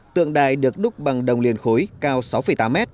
tượng đài được đúc bằng đồng liền khối cao sáu tám m